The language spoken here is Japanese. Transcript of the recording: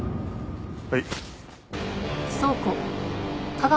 はい。